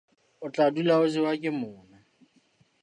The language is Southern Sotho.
O tla dula o jewa ke mona.